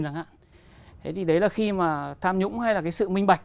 thế thì đấy là khi mà tham nhũng hay là cái sự minh bạch